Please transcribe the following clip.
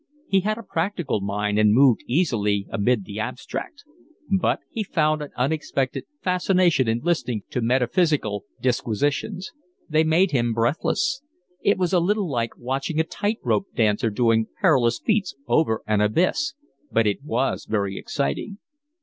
He had a practical mind and moved uneasily amid the abstract; but he found an unexpected fascination in listening to metaphysical disquisitions; they made him breathless; it was a little like watching a tight rope dancer doing perilous feats over an abyss; but it was very exciting.